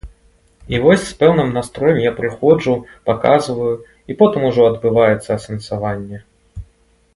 І вось з пэўным настроем я прыходжу, паказваю, і потым ужо адбываецца асэнсаванне.